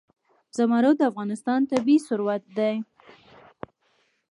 زمرد د افغانستان طبعي ثروت دی.